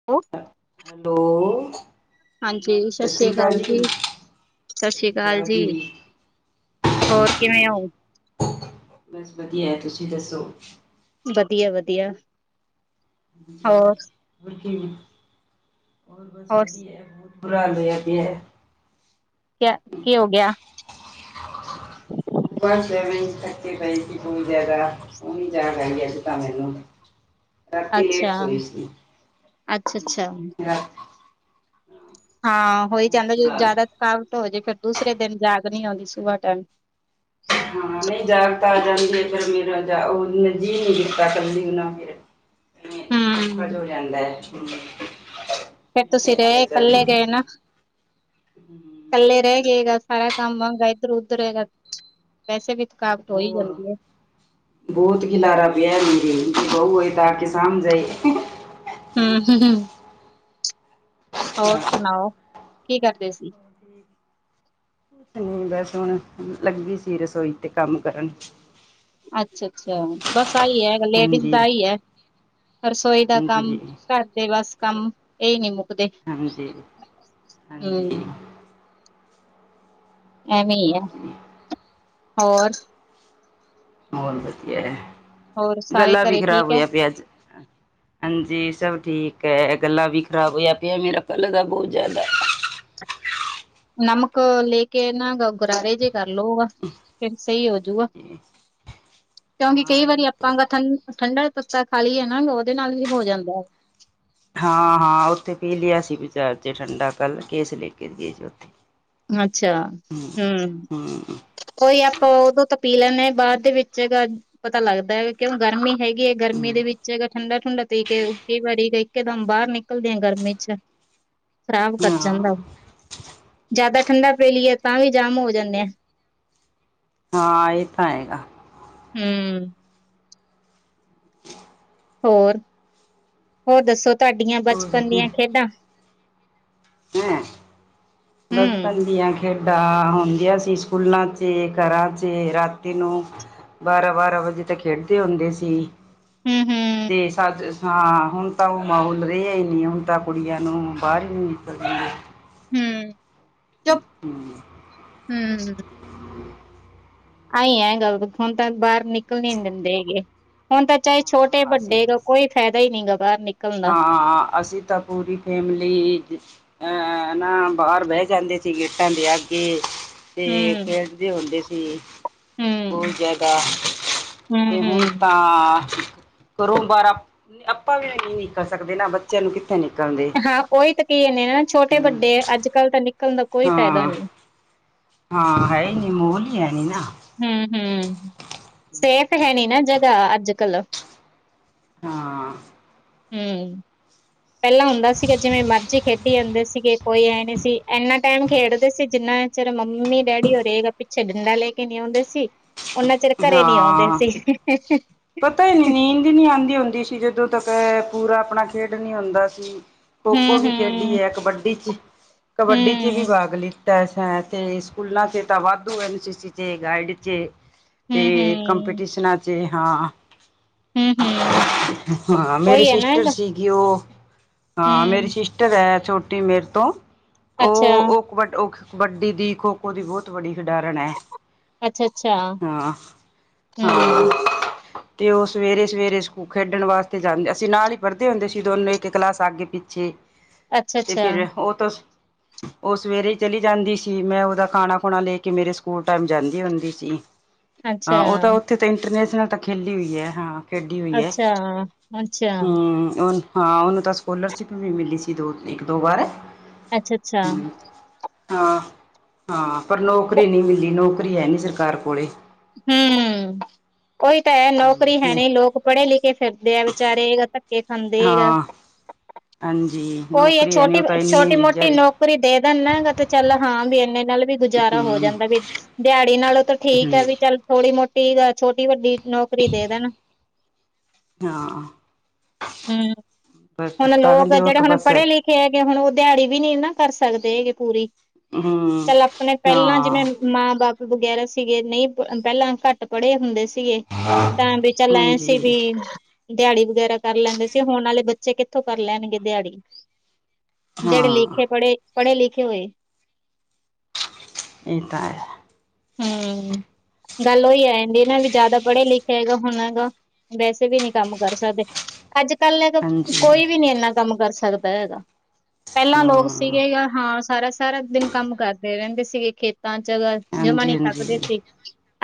ੳ hello. ਹਾਂਜੀ, ਸਤਿ ਸ੍ਰੀ ਅਕਾਲ ਜੀ, ਸਤਿ ਸ੍ਰੀ ਅਕਾਲ ਜੀ। ਹੋਰ ਕਿਵੇਂ ਹਾਂਜੀ ਉਂ? ਬਸ ਵਧੀਆ ਏ, ਤੁਸੀਂ ਦੱਸੋ? ਵਧੀਆ-ਵਧੀਆ। [unintelligible] ਹੋਰ, ਬਸ ਹੋਰ ਵਧੀਆ। ਬੁਰਾ ਹਾਲ ਹੋਇਆ ਪਿਆ। ਕਿਆ, ਕੀ ਹੋਗਿਆ। ਬਸ ੲੈਵੇਂ ਈ, ਥਕੇ ਪਏ ਸੀ ਬਹੁਤ ਜ਼ਿਆਦਾ। ਹੁਨ ਜਾਗ ਆਈ, ਅੱਜ ਤਾਂ ਮੈਨੂੰ। ਰਾਤੀ ਲੇਟ ਅੱਛਾ ਸੋਈ ਸੀ, ਅੱਛਾ ਅੱਛਾ ਰਾ ਹਾਂ, ਹੋਈ ਜਾਂਦਾ, ਜਦੋ ਜ਼ਿਆਦਾ ਥਕਾਵਟ ਹੋਜੇ ਫੇਰ ਦੂਸਰੇ ਦਿਨ ਜਾਗ ਨਹੀਂ ਆਉਂਦੀ ਸੁਬਾਹ ਟਾਈਮ। ਹਾਂ ਨਹੀਂ ਜਾਗ ਤਾਂ ਆ ਜਾਂਦੀ ਏ, ਫਿਰ ਮੇਰਾ ਉਹ ਮ ਜੀਅ ਨੀ ਦਿੱਤਾ ਕੱਲੀ ਬਨਾ ਕੇ [inaudible] ਸੁੱਖਾ ਜੋ ਹੂੰ ਹੋ ਜਾਂਦਾ ਏ, ਹੂੰ। ਫੇਰ ਤੁਸੀਂ ਰਏ, ਕੱਲੇ ਗਏ ਨਾ। ਕੱਲੇ ਰਹੈ ਗਏ ਗਾ, ਸਾਰਾ ਕੰਮ ਵਾਂਗਾ ਇਧਰ-ਉਧਰ ਹੈਗਾ, ਵੈਸੇ ਵੀ ਥਕਾਵਟ ਹੋ ਹੀ ਹੋਰ। ਜਾਂਦੀ ਹੈ। ਬਹੁਤ ਖਿਲਾਰਾ ਪਿਆ ਏ ਮੇਰੀ ਨੂ, ਬਯੂ ਹੋਏ ਤਾਂ ਆਕੇ ਸਾਮ ਜਾਏ। ਹੂੰ, ਹੂੰ, ਹੂੰ। ਹੋਰ ਸੁਣਾਓ, ਕੀ ਕਰਦੇ ਸੀ? ਕੁਛ ਨੀ ਬਸ ਹੁਣ, ਲੱਗੀ ਸੀ ਰਸੋਈ ਤੇ ਕੰਮ ਕਰਨ। ਅੱਛਾ-ਅੱਛਾ, ਬਸ ਆਹੀ ਏ ਲੇਡੀਜ਼ ਹਾਂਜੀ ਦਾ ਆਈ ਐ। ਰਸੋਈ ਦਾ ਕੰਮ, ਹਾਂਜੀ ਘਰ ਦੇ ਬਸ ਕੰਮ। ਏ ਨੀ ਮੁਕਦੇ, ਹਾਂਜੀ ਹੂੰ। ਹਾਂਜੀ ਐਵੇਂ ਈ ਹੋਰ ਆ, ਜੀ ਹੋਰ? ਹੋਰ ਵਧੀਆ ਐ, ਹੋਰ ਸਾਰੇ ਗਲਾ ਵੀ ਘਰੇ ਖ਼ਰਾਬ ਠੀਕ ਹੈ ਹੋਇਆ ਪਿਆ ਅੱਜ। ਹਾਂਜੀ, ਸਭ ਠੀਕ ਐ ਗੱਲਾਂ ਵੀ ਖ਼ਰਾਬ ਹੋਇਆ ਪਿਆ, ਮੇਰਾ ਪੈਲਾ ਦਾ ਬਹੁਤ ਜ਼ਿਆਦਾ। ਨਮਕ ਲੇਕੇ ਨਾ, ਇਹ ਗਰਾਰੇ ਜੇ ਕਰਲੋ ਗਾ। ਫਿਰ ਸਹੀ ਹੋਜੂਗਾ, ਕਿਉਂਕਿ ਹਾਂ ਕਈ ਇਹ ਵਾਰੀ ਆਪਾਂਗਾ ਥਾਨ ਠੰਡਾ, ਤੱਤਾ ਖਾਲੀਏ ਨਾ, ਉਹਦੇ ਨਾਲ ਵੀ ਹੋ ਜਾਂਦਾ। ਹਾਂ-ਹਾਂ, ਉੱਥੇ ਪੀਲਿਆ ਸੀ, ਬਜਾਰ'ਚ ਠੰਡਾ ਕੱਲ, ਕੇਸ ਲੈ ਕੇਏ ਸੀ ਉੱਥੇ। ਅੱਛਾ, ਹੂੰ। ਕੋਈ ਆਪਾਂ ਉਦੋਂ ਤਾਂ ਪੀ ਲੈਂਨੇ ਆਂ, ਬਾਅਦ ਦੇ ਵਿੱਚ ਜਗਾ ਪਤਾ ਲੱਗਦਾ ਹੈਗਾ, ਕਿਉਂ ਗਰਮੀ ਹੈਗੀ ਹੈ ਗਰਮੀ ਦੇ ਹਾਂ ਵਿੱਚ ਹੈਗਾ ਠੰਡਾ-ਠੁੰਡਾ ਪੀਕੇ, ਕਈ ਵਾਰੀ ਇੱਕ ਦਮ ਬਾਹਰ ਨਿਕਲਦੇ ਆ ਗਰਮੀ'ਚ। ਖਰਾਬ ਕਰ ਜਾਂਦਾ ਓ। ਜਿਆਦਾ ਠੰਡਾ ਪੀਲੀਏ, ਤਾਂ ਵੀ ਜਾਮ ਹੋ ਜਾਂਨੇ ਆ। ਹਾਂ, ਇਹ ਤਾਂ ਹੇਗਾ। ਹੂੰ ਹੋਰ, ਹੋਰ ਦੱਸੋ ਤੁਹਾਡੀਆਂ ਬਚਪਨ ਦੀਆਂ ਖੇਡਾਂ? ਹੂੰ, ਬਚਪਨ ਹੂੰ, ਦੀਆਂ ਖੇਡਾਂ ਹੁੰਦੀਆਂ ਸੀ ਸਕੂਲਾਂ 'ਚੇ, ਘਰਾਂ'ਚੇ ਰਾਤੀ ਨੂੰ। ਬਾਰਾਂ-ਬਾਰਾਂ ਵਜੇ ਤਕ ਖੇਡਦੇ ਹੁੰਦੇ ਸੀ। ਹੂੰ, ਹੂੰ ਤੇ ਸਾਡ, ਹਾਂ, ਹੁਣ ਤਾਂ ਉਹ ਮਾਹੌਲ ਰਿਹਾ ਹੀ ਨਹੀਂ, ਹੁਣ ਤਾਂ ਕੁੜੀਆਂ ਨੂੰ ਬਾਹਰ ਹੀ ਨੀ ਨਿਕਲਦੀਆਂ। ਹੂੰ, ਚੁ ਹਮ ਹੂੰ। ਆਈ ਐਂ ਗੱਲ, ਹੁਣ ਤਾਂ ਬਾਹਰ ਨਿਕਲਨ ਦਿੰਦੇ ਹੈਗੇ। ਹੁਣ ਤਾਂ ਚਾਹੇ ਹਾਂ ਅਸੀਂ ਛੋਟੇ-ਵੱਡੇ ਗ, ਕੋਈ ਫਾਇਦਾ ਹੀ ਨਹੀਂ ਗਾ, ਬਾਹਰ ਨਿਕ ਹਾਂ, ਅਸੀਂ ਤਾ ਪੂਰੀ ਫੇਮਲੀ ਅਹ ਨਾ ਬਾਹਰ ਬਹਿ ਜਾਂਦੇ ਸੀ ਗੇਟਾਂ ਦੇ ਅਗੇ। ਤੇ ਹੂੰ। ਖੇਡਦੇ ਹੁੰਦੇ ਸੀ। ਹੂੰ, ਬਹੁਤ ਹੂੰ, ਜ਼ਿਆਦਾ ਤੇ ਹੁਣ ਤਾਂ ਹੂੰ ਹਾਅ ਘਰੋਂ ਬਾਰ ਆਪਾਂ ਵੀ ਇ ਨ ਕਰ ਸਕਦੇ ਨਾ ਬੱਚਿਆਂ ਨੂੰ ਕਿ- ਨਿਕਲਦੇ- ਹਾਂ ਉਹੀ ਤਾਂ ਕਹੀ ਜਾਨੀ ਆ ਨਾ, ਛੋਟੇ ਵੱਡੇ ਅੱਜ ਕੱਲ੍ਹ ਤਾਂ ਨਿਕਲਣ ਦਾ ਕੋਈ ਫਾਇਦਾ ਹਾਂ ਨਹੀਂ। ਹਾਂ ਹੈ ਈ ਨੀ ਮੋਹਲ ਹੈਨੀ ਨਾ। ਹੂੰ-ਹੂੰ ਸੇਫ ਹੈ ਨੀ ਨਾ ਜਗ੍ਹਾ ਅੱਜ ਕੱਲ। ਹਾਂ। ਹੂੰ- ਪਹਿਲਾਂ ਹੁੰਦਾ ਸੀਗਾ ਜਿਵੇਂ ਮਰਜ਼ੀ ਖੇਡੀ ਜਾਂਦੇ ਸੀਗੇ ਕੋਈ ਇਹ ਨਹੀਂ ਸੀ ਇੰਨਾ ਟਾਈਮ ਖੇਡਦੇ ਸੀ ਜਿੰਨਾ। ਚਿਰ ਮੰਮੀ ਡੈਡੀ ਪਿੱਛੇ ਡੰਡਾ ਲੈ ਕੇ ਨੀ ਆਉਂਦੇ ਸੀ। ਉਨਾਂ ਚਿਰ ਘਰੇ ਨੀ ਆਉਂਦੇ ਹਾਂ ਸੀ। ਪਤਾ ਈ ਨੀ ਨੀਂਦ ਈ ਨੀ ਆਂਦੀ ਹੁੰਦੀ ਸੀ ਜਦੋਂ ਤੱਕ ਪੂਰਾ ਆਪਣਾ ਖੇਡ ਨੀ ਹੁੰਦਾ ਸੀ। ਖੋ-ਖੋ ਵੀ ਖੇਡੀ ਹੂੰ-ਹੂੰ ਏ, ਕਬੱਡੀ ਚ, ਕਬੱਡੀ ਚ ਵੀ ਹੂੰ ਭਾਗ ਲੀਤ। ਅ ਅਤੇ ਸਕੂਲਾਂ 'ਚ ਤਾਂ ਵਾਧੂ ਐਨ ਸੀ ਸੀ ' ਗਾਈਡ ' ਤੇ। ਹੂੰ-ਹੂੰ ਕਮਪੀਟੀਸ਼ਨ 'ਚ ਹਾਂ। ਹੂੰ-ਹੂੰ ਹਾਂ ਮੇਰੀ ਉਹੀ ਹੈ ਨਾ ਸਿਸਟਰ ਹੈਗਾ। ਸੀਗੀ ਉਹ ਹਾਂ ਮੇਰੀ ਹੂੰ ਸਿਸਟਰ ਏ ਛੋ। ਟੀ ਮੇਰੇ ਤੋਂ ਅੱਛਾ ਬਟ ਉਹ ਕਬੱਡੀ ਦੀ ਖੋ - ਖੋ ਦੀ ਬਹੁਤ ਵੱਡੀ ਖਿਡਾਰਨ ਐ ਅੱਛਾ-ਅੱਛਾ ਹਾਂ ਹਾਂ। ਹੂੰ ਤੇ ਉਹ ਸਵੇਰੇ ਸਵੇਰੇ ਸਕੂਲ ਖੇਡਣ ਵਾਸਤੇ ਜਾਂਦੇ ਅਸੀਂ ਨਾਲ ਹੀ ਪੜ੍ਹਦੇ ਹੁੰਦੇ ਸੀ ਦੋਨੋਂ ਇੱਕ ਕਲਾਸ ਆਗੇ ਪਿੱਛੇ ਤੇ ਅੱਛਾ-ਅੱਛਾ ਫਿਰ ਉਹ ਤੁ ਉਹ ਸਵੇਰੇ ਹੀ ਚਲੀ ਜਾਂਦੀ ਸੀ ਮੈਂ ਉਹਦਾ ਖਾਣਾ ਖੁਣਾ ਲੈਕੇ ਮੇਰੇ ਸਕੂਲ ਟਾਈਮ ਜਾਂਦੀ ਹੁੰਦੀ ਸੀ। ਅੱਛਾ ਹਾਂ ਉਹ ਤਾਂ ਉੱਥੇ ਤਾਂ ਇੰਟਰਨੈਸ਼ਨਲ ਤਾਂ ਖੇਲੀ ਹੋਈ ਐ ਹਾਂ ਖੇਡੀ ਹੋਈ ਹੈ ਅੱਛਾ ਅੱਛਾ ਹੂੰ ਹੁਣ ਹਾਂ ਉਹਨੂੰ ਤਾਂ ਸਕੋਲਰਸ਼ਿਪ ਵੀ ਮਿਲੀ ਸੀ ਦੋ ਇੱਕ ਦੋ ਵਾਰ ਅੱਛਾ-ਅੱਛਾ ਹੂੰ ਹਾਂ ਹਾਂ ਪਰ ਨੌਕਰੀ ਨੀ ਮਿਲੀ ਨੌਕਰੀ ਹੈ ਨੀ ਸਰਕਾਰ ਕੋਲੇ ਹੂੰ ਉਹੀ ਤਾਂ ਹੈ ਨੌਕਰੀ ਹੈ ਨਹੀਂ ਲੋਕ ਪੜ੍ਹੇ ਲਿਖੇ ਫਿਰਦੇ ਆ ਵਿਚਾਰੇ ਖਾਂਦੇ ਆ ਹਾਂ ਹਾਂਜੀ ਉਹੀ ਆ ਨੌਕਰੀ ਹੈ ਨਹੀਂ ਛੋਟੀ ਉਹ ਤਾਂ ਇੰਨੀ ਛੋਟੀ ਮੋਟੀ ਵਿਚਾਰੀ ਨੌ ਕਰੀ ਦੇ ਦੇਣ ਨਾ ਚਲ ਹਾ ਬਈ ਐਨੇ ਵੀ ਇਨੇ ਨਾਲ ਵੀ ਗੁਜ਼ਾਰਾ ਹੋ ਹਮ ਜਾਂਦਾ ਵੀ ਦਿਹਾੜੀ ਨਾਲੋਂ ਤਾਂ ਠੀਕ ਹਮ ਐ ਵੀ ਚੱਲ ਥੋੜ੍ਹੀ ਮੋਟੀ ਛੋਟੀ ਵੱਡੀ ਨੌਕਰੀ ਦੇ ਦੇਣ ਹਾਂ ਹੂੰ ਬਸ ਹੁਣ ਤਾਂ ਲੋਕ ਕਹਿੰਦੇ ਉਹ ਜਿਹੜੇ ਤਾਂ ਹੁਣ ਬਸ ਪੜ੍ਹੇ ਲਿਖੇ ਹੈਗੇ ਹੁਣ ਉਹ ਦਿਹਾੜੀ ਵੀ ਨੀ ਨਾ ਕਰ ਸਕਦੇ ਹੈਗੇ ਪੂਰੀ ਹਮ ਚੱਲ ਆਪਣੇ ਪਹਿਲਾਂ ਹਾਂ ਜਿਵੇਂ ਮਾਂ ਬਾਪ ਵਗੈਰਾ ਸੀਗੇ ਨਹੀਂ ਪਹਿਲਾਂ ਘੱਟ ਪੜ੍ਹੇ ਹੁੰਦੇ ਸੀਗੇ ਤਾਂ ਵੀ ਚੱਲ ਐ ਸੀ ਹਾਂਜੀ ਵੀ ਦਿਹਾੜੀ ਵਗੈਰਾ ਕਰ ਲੈਂਦੇ ਸੀ ਹੁਣ ਵਾਲੇ ਬੱਚੇ ਕਿੱਥੋਂ ਕਰ ਲੈਣਗੇ ਦਿਹਾੜੀ ਜਿਹੜੇ ਹਾਂ ਲਿਖੇ ਪੜ੍ਹੇ, ਪੜ੍ਹੇ ਲਿਖੇ ਹੋਏ ਇਹ ਤਾਂ ਹੈ। ਹੂੰ ਗੱਲ ਉਹੀ ਆ ਜਾਂਦੀ ਨਾ ਵੀ ਜ਼ਿਆਦਾ ਪੜ੍ਹੇ ਲਿਖੇ ਹੈਗਾ ਹੁਣ ਹੈਗਾ ਵੈਸੇ ਵੀ ਨੀ ਕੰਮ ਕਰ ਸਕਦੇ। ਅੱਜ ਕੱਲ ਤਾਂ ਹਾਂਜੀ ਕੋਈ ਵੀ ਨੀ ਇੰਨਾ ਕੰਮ ਕਰ ਸਕਦਾ ਹੈਗਾ ਪਹਿਲਾਂ ਲੋਕ ਹਮ ਸੀਗੇ ਗਾ ਹਾਂ ਸਾਰਾ- ਸਾਰਾ ਦਿਨ ਕੰਮ ਕਰਦੇ ਰਹਿੰਦੇ ਸੀਗੇ ਖੇਤਾਂ 'ਚ, ਜਮਾ ਹਾਂਜੀ ਨਹੀਂ ਥਕਦੇ ਹਾਂਜੀ ਸੀ।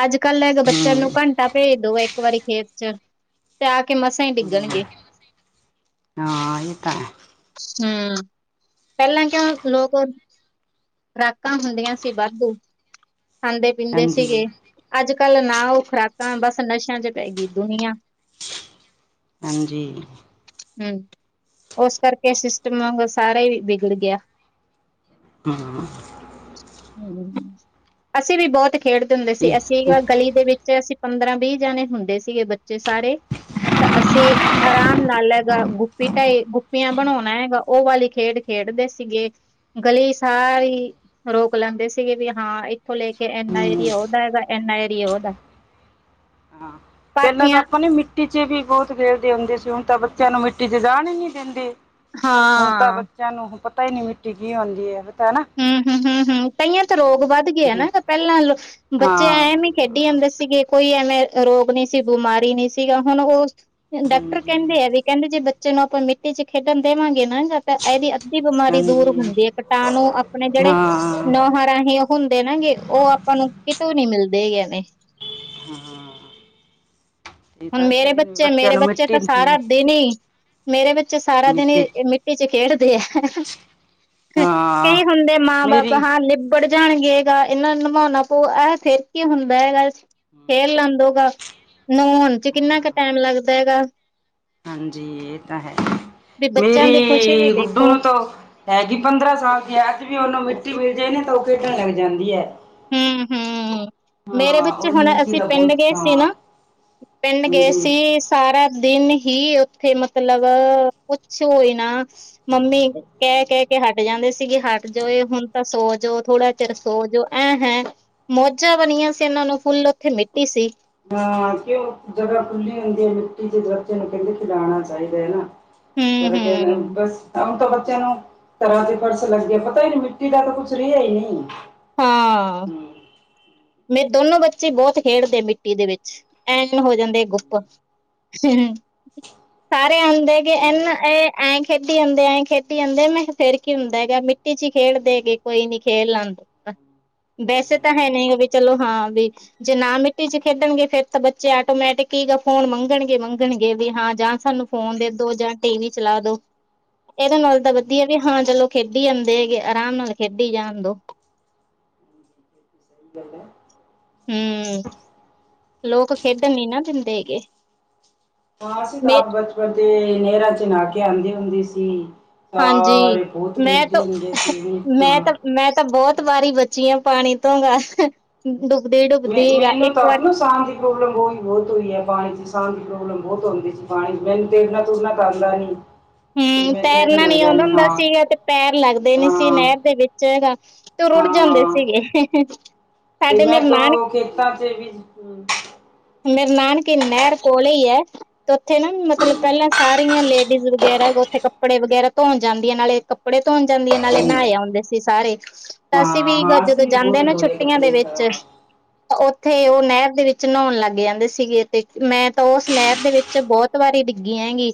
ਅੱਜ ਕੱਲ ਲੈਕੇ ਬੱਚਿਆਂ ਨੂੰ, ਹਮ ਘੰਟਾ ਭੇਜ ਦੋ ਇੱਕ ਵਾਰੀ ਖੇਤ 'ਚ ਤੇ ਆ ਕੇ ਮਸਾਂ ਹੀ ਹਮ ਡਿੱਗਣਗੇ। ਹਾਂ ਇਹ ਤਾਂ ਹੈ ਹਮ, ਪਹਿਲਾਂ ਕਿਉਂ ਲੋਕ ਖਰਾਕਾਂ ਹੁੰਦੀਆਂ ਸੀ ਵਾਧੂ, ਖਾਂਦੇ ਪੀਂਦੇ ਹਾਂਜੀ ਸੀਗੇ ਅੱਜ ਕੱਲ੍ਹ ਨਾ ਉਹ ਖੁਰਾਕਾਂ, ਬਸ ਨਸ਼ਿਆਂ 'ਚ ਪੈ ਗਈ ਦੁਨੀਆਂ ਹਾਂਜੀ। ਹਮ, ਉਸ ਕਰਕੇ ਸਿਸਟਮ ਵੀ ਸਾਰਾ ਹੀ ਵਿਗੜ ਗਿਆ। ਹਮ, ਹਾਂ। ਹਮ, ਅਸੀਂ ਵੀ ਬਹੁਤ ਖੇਡਦੇ ਹੁੰਦੇ ਸੀ, ਜੀ ਅਸੀਂ ਗਲੀ ਦੇ ਵਿੱਚ ਅਸੀਂ ਪੰਦਰਾਂ ਵੀਹ ਜਾਣੇ ਹੁੰਦੇ ਸੀਗੇ ਬੱਚੇ ਸਾਰੇ, ਤਾਂ ਅਸੀਂ ਆਰਾਮ ਨਾਲ ਲੈਗਾ ਗੁੱਪੀ ਢਾਈ, ਗੁੱਪੀਆਂ ਬਣਾਉਣਾ ਹੈਗਾ, ਉਹ ਵਾਲੀ ਖੇਡ ਖੇਡਦੇ ਸੀਗੇ। ਗਲੀ ਸਾਰੀ ਰੋਕ ਲੈਂਦੇ ਸੀਗੇ ਵੀ ਹਾਂ, ਇੱਥੋਂ ਲੈ ਕੇ ਐਨਾ ਹਮ ਏਰੀਏ ਉਹਦਾ ਹੈਗਾ, ਐਨਾ ਏਰੀ ਉਹਦਾ ਹਾਂ ਪਹਿਲਾਂ ਤਾਂ ਪਾਥੀਆਂ ਆਪਾਂ ਨੇ ਮਿੱਟੀ 'ਚ ਵੀ ਬਹੁਤ ਖੇਡਦੇ ਹੁੰਦੇ ਸੀ, ਹੁਣ ਤਾਂ ਬੱਚਿਆਂ ਨੂੰ ਮਿੱਟੀ 'ਚ ਜਾਣ ਹੀ ਨਹੀਂ ਦਿੰਦੇ। ਹੁਣ ਤਾਂ ਹਾਂ ਬੱਚਿਆਂ ਨੂੰ ਪਤਾ ਹੀ ਨਹੀਂ, ਮਿੱਟੀ ਕੀ ਹੁਂਦੀ ਹੈ? ਪਤਾ ਹੈ ਨਾ ਹਮ ਹਮ, ਹਮ ਹਮ, ਤਈਆਂ ਤਾਂ ਰੋਗ ਵੱਧ ਗਏ ਹਮ, ਹੈਨਾ, ਪਹਿਲਾਂ ਬੱਚੇ ਹਾਂ ਐ ਨੀ ਖੇਡੀ ਹਾਂ ਆਂਦੇ ਸੀਗੇ, ਕੋਈ ਐਵੇਂ ਰੋਗ ਨਹੀਂ ਸੀ, ਬਿਮਾਰੀ ਨਹੀਂ ਸੀਗਾ, ਹੁਣ ਉਹ ਡਾਕਟਰ ਹਾਂਜੀ ਕਹਿੰਦੇ ਆ ਵੀ ਕਹਿੰਦੇ, ਜੇ ਬੱਚੇ ਨੂੰ ਆਪਾਂ ਮਿੱਟੀ 'ਚ ਖੇਡਣ ਦੇਵਾਂਗੇ ਨਾ ਜਾਂ ਇਹਦੀ ਅੱਧੀ ਬਿਮਾਰੀ ਦੂਰ ਹਾਂਜੀ ਹੁੰਦੀ ਹੈ, ਕਟਾਣੂ ਆਪਣੇ ਜਿਹੜੇ ਨ ਹਾਂ ਰਾਹੀਂ ਉਹ ਹੁੰਦੇ ਨਾ ਗੇ, ਉਹ ਆਪਾਂ ਨੂੰ ਕਿਤੋਂ ਨੀ ਮਿਲਦੇ ਐਵੇ। ਹਮ। ਹੁਣ ਮੇਰੇ ਬੱਚੇ, ਮੇਰੇ ਨੂੰ ਬੱਚੇ ਮਿੱਟੀ ਤਾਂ ਸਾਰਾ ਹਮ, ਦਿਨ ਹੀ ਮੇਰੇ ਬੱਚੇ ਸਾਰਾ ਦਿਨ ਹੀ ਮਿੱਟੀ 'ਚ ਮਿੱਟੀ ਵਿੱਚ ਖੇਡਦੇ ਆ, ਹਾਂ ਕਈ ਹੁੰਦੇ ਮਾਂ ਬਾਪ ਮੇਰੀ ਹਾਂ ਲਿਬ ਬੜ ਜਾਣਗੇ ਹੈਗਾ, ਇਹਨਾਂ ਨੂੰ ਨਵਾਉਣਾ ਪਊ, ਇਹ ਫਿਰ ਕੀ ਹੁੰਦਾ ਹੈਗਾ। ਖੇਲ ਲੈਣ ਦੋ ਬਾਰ, ਨਹਾਉਣ 'ਚ ਕਿੰਨਾ ਹਾਂ ਕੁ ਟਾਈਮ ਲੱਗਦਾ ਹੈਗਾ? ਹਾਂਜੀ ਇਹ ਤਾਂ ਹੈ, ਵੀ ਬੱਚਿਆਂ ਮੇਰੀ ਦੀ ਖੁਸ਼ੀ ਵੀ ਗੁੱਡੂ ਦੇਖੋ ਨੂੰ ਤਾਂ ਹੈਗੀ ਪੰਦਰਾਂ ਸਾਲ ਦੀ, ਅਜ ਵੀ ਉਹਨੂੰ ਮਿੱਟੀ ਮਿਲ ਜਾਏਣੀ ਤਾਂ ਉਹ ਖੇਡਣ ਲੱਗ ਜਾਂਦੀ ਹੈ। ਹਮ, ਹਮ। ਮੇਰੇ ਹਾਂ ਬੱਚੇ, ਉਹਨੂੰ ਹੁਣ ਮਿੱਟੀ ਅਸੀਂ ਦਾ ਪਿੰਡ ਬਹੁਤ ਗਏ ਹਾਂ ਸੀ ਨਾ, ਪਿੰਡ ਗਏ ਹੂੰ ਸੀ ਸਾਰਾ ਦਿਨ ਹੀ ਉੱਥੇ ਮਤਲਬ, ਪੁੱਛੋ ਹੀ ਨਾ ਮੰਮੀ ਕਹਿ ਕਹਿ ਕੇ ਹਟ ਜਾਂਦੇ ਸੀਗੇ, ਹਟ ਜਾਓ ਇਹ ਹੁਣ ਤਾਂ ਸੋ ਜੋਓ, ਥੋੜਾ ਚਿਰ ਸੋ ਜੋਓ ਹੈਂ ਮੌਜਾਂ ਬਣੀਆਂ ਸੀ ਇਹਨਾਂ ਨੂੰ ਫੁੱਲ, ਉੱਥੇ ਮਿੱਟੀ ਸੀ। ਹਾਂ ਕਿਉਂ ਜਗ੍ਹਾ ਖੁੱਲੀ ਹੁੰਦੀ ਹੈ, ਮਿੱਟੀ ਦੇ ਬੱਚੇ ਨੂੰ ਕਹਿੰਦੇ ਖਲਾਉਣਾ ਚਾਹੀਦਾ ਹ ਨਾ। ਹੂੰ ਪਰ, ਹੂੰ ਬਸ ਹੁਣ ਤਾਂ ਬੱਚਿਆਂ ਨੂੰ ਤਰ੍ਹਾਂ ਦੇ ਫਰਸ ਲੱਗੇ, ਪਤਾ ਹੀ ਮਿੱਟੀ ਦਾ ਤਾਂ ਕੁਛ ਰਿਹਾ ਹੀ ਨਹੀਂ। ਹਾਂ। ਮੇ ਦੋਨੋ ਬੱਚੇ ਬਹੁਤ ਖੇਡਦੇ ਮਿੱਟੀ ਦੇ ਵਿੱਚ, ਐਨ ਹੋ ਜਾਂਦੇ ਗੁੱਪ। ਹ ਸਾਰੇ ਹੁੰਦੇ ਗ, ਸਹੀ ਹੈ ਇਹਨਾਂ ਇਹ ਐਂ ਖੇਡੀ ਜਾਂਦੇ, ਐਏਂ ਖੇਡੀ ਜਾਂਦੇ, ਮੈਂ ਕਿਹਾ ਫੇਰ ਕੀ ਹੁੰਦਾ ਹੈਗਾ ਮਿੱਟੀ 'ਚ ਹੀ ਖੇਡਦੇਗੇ, ਕੋਈ ਨੀ ਖੇਡ ਲੈਂਦੇ। ਵੈਸੇ ਤਾਂ ਸਹੀ ਹੈ ਨਹੀਂ ਵੀ ਚਲੋ, ਹਾਂ ਵੀ ਜੇ ਨਾ ਮਿੱਟੀ 'ਚ ਖੇਡਣਗੇ, ਫਿਰ ਤਾਂ ਬੱਚੇ ਆਟੋਮੈਟਿਕੀ ਫੋਨ ਮੰਗਣਗੇ, ਮੰਗਣਗੇ ਵੀ ਹਾਂ ਜਾਂ ਸਾਨੂੰ ਫੋਨ ਦੇ ਦੋ ਜਾਂ ਟੀ ਵੀ ਚਲਾ ਦੋ, ਇਹਦੇ ਨਾਲ ਤਾਂ ਵਧੀਆ ਵੀ ਹਾਂ ਚਲੋ ਖੇਡ ਖੇਡੀ ਆਂਦੇ ਹੈਗੇ, ਆਰਾਮ ਨਾਲ ਖੇਡੀ ਜਾਣ ਦੋ। ਸਹੀ ਹਮ ਲੋਕ ਖੇਡਣ ਨੀ ਨਾ ਦਿੰਦੇ ਹੈਗੇ ਤਾਂਸੀਂ ਤਾਂ ਮੇਰੇ ਬਚਪਨ ਤੇ ਨਹਿਰਾਂ 'ਚ ਨਾ ਕੇ ਆਉਂਦੇ ਹੁੰਦੇ ਸੀ ਹਾਂ ਹਾਂਜੀ, ਅਸੀ ਬਹੁਤ ਮੈਂ ਤਾਂ ਖੇਡਦੇ ਹੁੰਦੇ ਸੀ ਜੀ ਮੈਂ ਹਾਂ ਤਾਂ ਮੈਂ ਤਾਂ ਬਹੁਤ ਵਾਰੀ ਬਚੀ ਹਾਂ, ਪਾਣੀ ਤੋਂ ਗ ਡੁਬਦੀ ਮੈਂ ਡੁੱਬਦੀ ਗ ਮੈਨੂੰ ਤਾਂ ਇੱਕ ਵਾਰ ਆਪਣਾ ਸਾਹ ਦੀ ਪ੍ਰੋਬਲਮ ਬਹੁਤ ਬਹੁਤ ਹੋਈ ਹੈ ਪਾਣੀ 'ਚ ਸਾਹ ਦੀ ਪ੍ਰੋਬਲਮ ਬਹੁਤ ਹੁੰਦੀ ਜੀ ਪਾਣੀ ਮੈਨੂੰ ਤੇਰਨਾ ਤੁਰਨਾ ਤਾਂ ਆਉਂਦਾ ਨੀ ਹਮ ਤੈਰਨਾ ਨੀ ਆਉਂਦਾ ਹੁੰਦਾ ਸੀਗਾ ਤੇ ਪੈਰ ਲੱਗਦੇ ਨੀ ਸੀ ਹਾਂ ਨਹਿਰ ਦੇ ਵਿੱਚ 'ਚ ਹੈਗਾ ਤੇ ਉਹ ਰੁੜ ਜਾਂਦੇ ਹਾਂ ਸੀਗੇ ਤੇ ਸਾਡੇ ਮੈਂ ਮੇਰੇ ਨਾਨਕ ਤੋ ਖੇਤਾਂ 'ਚ ਵੀ ਮੇਰੇ ਨਾਨਕੇ ਨਹਿਰ ਕੋਲੇ ਹੀ ਹੈ ਤੇ ਉੱਥੇ ਨਾ ਮਤਲਬ ਪਹਿਲਾਂ ਸਾਰੀਆਂ ਲੇਡੀਜ਼ ਗੈਰਾ ਕੋਲ ਉੱਥੇ ਕੱਪੜੇ ਵਗੈਰਾ ਧੋਣ ਜਾਂਦੀਆਂ ਨਾਲੇ ਕੱਪੜੇ ਧੋਣ ਜਾਂਦੀਆਂ ਨਾਲੇ ਨਹਾਏ ਆਉਂਦੇ ਸੀ ਸਾਰੇ ਤਾਂ ਅਸੀਂ ਹਾਂ ਵੀ ਹਾਂ ਅਸੀਂ ਜਦੋਂ ਵੀ ਜਾਂਦੇ ਬਹੁਤ ਨਾ ਧੋਏ ਛੁੱਟੀਆਂ ਦੇ ਕੱਪੜੇ ਵਿੱਚ ਹਾਂ ਉੱਥੇ ਓ ਨਹਿਰ ਦੇ ਵਿੱਚ ਨਹਾਉਣ ਲੱਗ ਜਾਂਦੇ ਸੀਗੇ ਤੇ ਮੈਂ ਤਾਂ ਉਸ ਨਹਿਰ ਦੇ ਵਿੱਚ ਬਹੁਤ ਵਾਰੀ ਡਿੱਗੀ ਹੈਂਗੀ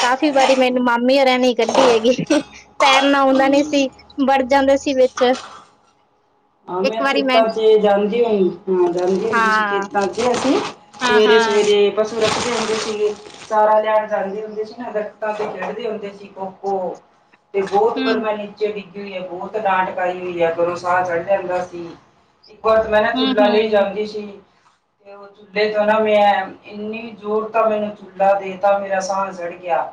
ਕਾਫ਼ੀ ਵਾਰੀ ਮੈਨੂੰ ਮਾਮੇ ਹੋਣਾ ਨੇ ਕੱਢੀ ਹੈਗੀ ਤੈਰਨਾ ਆਉਂਦਾ ਨਹੀਂ ਹਮ। ਸੀ ਵਰ ਜਾਂਦੇ ਸੀ ਵਿਚ ਆਂ ਮੈਂ ਖੇਤਾਂ 'ਚ ਜਾਂਦੀ ਹੁੰਦੀ ਹਾਂ ਜਾਂਦੀ ਹੁੰਦੀ ਹਾਂ ਖੇਤਾਂ 'ਚ ਅਸੀਂ ਹਾਂ ਸਵੇਰੇ ਹਾਂ ਸਵੇਰੇ ਪਸੂ ਰੱਖਦੇ ਹੁੰਦੇ ਸੀਗੇ ਸਾਰਾ ਲਿਆਣ ਜਾਂਦੇ ਹੁੰਦੇ ਸੀ ਨਾ ਦਰਖਤਾਂ ਤੇ ਚੜਦੇ ਹੁੰਦੇ ਸੀ ਖੋ ਖੋ ਤੇ ਬਹੁਤ ਵਾਰ ਹੂੰ ਮੈਂ ਨੀਚੇ ਡਿੱਗੀ ਹੋਈ ਹੈ ਬਹੁਤ ਡਾਂਟ ਕਾਈ ਹੋਈ ਹੈ ਅਗਰੋਂ ਸਾਹ ਚੜ ਜਾਂਦਾ ਸੀ ਇੱਕ ਵਾਰ ਮੈਂ ਨਾ ਹੂੰ ਚੁਹਲਾ ਲਈ ਹੂੰ ਜਾਂਦੀ ਸੀ ਤੇ ਉਹ ਚੁੱਲੇ 'ਚੋਂ ਨਾ ਮੈਂ ਇੰਨੀ ਜ਼ੋਰ ਤਾਂ ਮੈਨੂੰ ਚੁਲਾ ਦੇਤਾ ਮੇਰਾ ਸਾਹਾਲ ਜੜ ਗਿਆ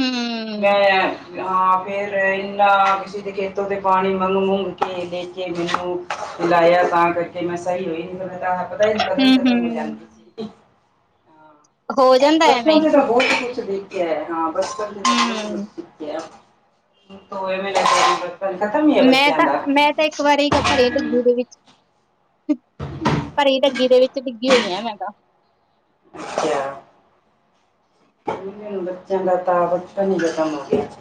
ਹੂੰ ਹੂੰ ਮੈਂ ਹਾਂ ਫੇਰ ਇੰਨਾ ਕਿਸੇ ਦੇ ਖੇਤੋਂ ਤੇ ਪਾਣੀ ਮੰਗ ਮੂੰਗ ਕੇ ਲਿਆਈ ਜੇ ਮੈਨੂੰ ਮਿਲਾਇਆ ਤਾਂ ਕਰਕੇ ਮੈਂ ਸਹੀ ਹੋਈ, ਨਹੀਂ ਤਾਂ ਪਤਾ ਹੀ ਨਹੀਂ ਕਤਈ ਕਤ ਮਰ ਹੂੰ ਜਾਂਦੀ ਸੀ ਹੋ ਜਾਂਦਾ ਐਵੇਂ ਬਚਪਨ ਸੇ ਬੋਲਦੀ ਕੁਛ ਨਹੀ ਗਿਆ ਹਾਂ ਬਚਪਨ ਤੋਂਹੀ ਕੁਛ ਨਹੀ ਹੂੰ ਸਮਝਦੀ ਗਿਆ ਹੁਣ ਟੋਏ ਕੰਮ ਖਤਮ ਹੀ ਆ ਬੱਚਿਆ ਦਾ ਤੇ ਇੱਕ ਵਾਰੀ ਕੱਪੜੇ ਲੱਗੂਗੀ ਦੇ ਵਿੱਚ ਭਰੀ ਡੱਗੀ ਦੇ ਵਿੱਚ ਡਿੱਗੀ ਹੋਈ ਆ ਮੈਂ ਤਾਂ ਅੱਛਾ ਹੁਣ ਇੰਨ ਬਚੋਂ ਕਾ ਬਚਪਨ ਹੀ ਖਤਮ ਹੋ ਗਿਆ